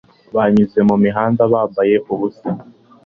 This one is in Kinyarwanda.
Banyuze mu mihanda bambaye ubusa